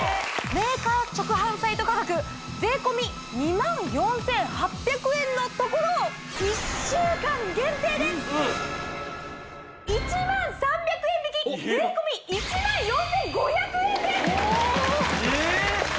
メーカー直販サイト価格税込２４８００円のところ１週間限定で１０３００円引き税込１４５００円ですえ！